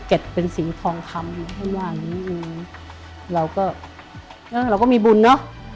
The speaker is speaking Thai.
เก็ดเป็นสีทองคำอยู่ท่านว่านี้เราก็เราก็มีบุญเนอะ